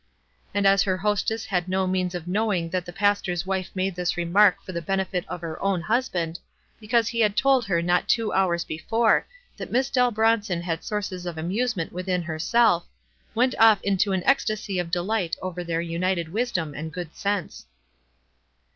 And as her hostess had no means of knowing that her pastor's wife made this remark for the ben efit of her own husband, because he had told her not two hours before that Miss Dell Bron son had sources of amusement within herself, went off into an ecstasy of delight over their united wisdom and good sense.